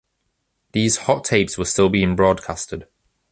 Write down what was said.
These hot tapes were still being broadcasted.